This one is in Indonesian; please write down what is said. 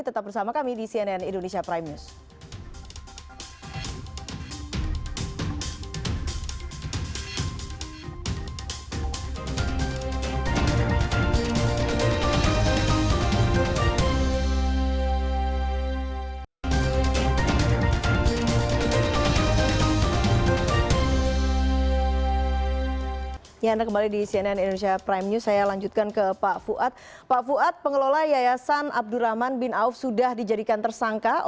tetap bersama kami di cnn indonesia prime news